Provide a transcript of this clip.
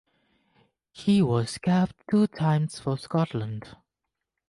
He was capped two times for Scotland.